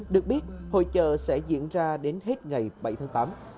được biết hội trợ sẽ diễn ra đến hết ngày bảy tháng tám